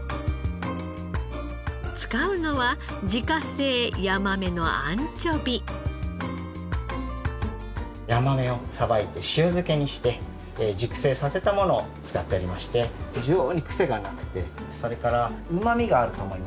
使うのは自家製ヤマメをさばいて塩漬けにして熟成させたものを使っておりまして非常に癖がなくてそれからうまみがあると思います。